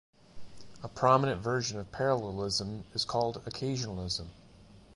A prominent version of parallelism is called occasionalism.